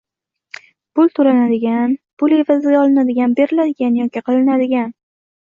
Pul toʻlanadigan, pul evaziga olinadigan, beriladigan yoki qilinadigan